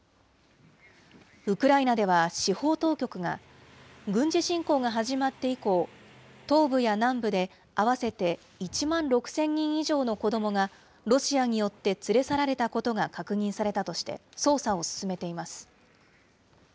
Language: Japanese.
ウクライナでは司法当局が、軍事侵攻が始まって以降、東部や南部で合わせて１万６０００人以上の子どもが、ロシアによって連れ去られたことが確認されたとして、捜査を進めています。